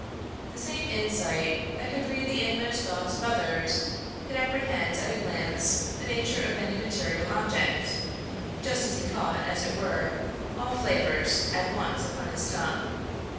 The same insight that could read the inmost thoughts of others, could apprehend at a glance the nature of any material object, just as he caught as it were all flavors at once upon his tongue.